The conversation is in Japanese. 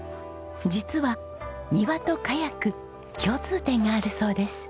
実は庭とカヤック共通点があるそうです。